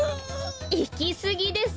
いきすぎです。